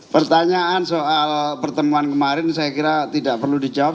pertanyaan soal pertemuan kemarin saya kira tidak perlu dijawab